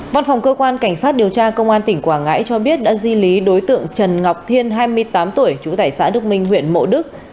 văn phòng cơ quan cảnh sát điều tra công an tỉnh quảng ngãi cho biết đã di lý đối tượng trần ngọc thiên hai mươi tám tuổi trú tại xã đức minh huyện mộ đức